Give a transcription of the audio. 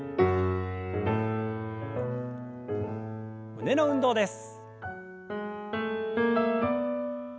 胸の運動です。